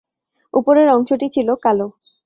উপরের অংশটি ছিল কালো।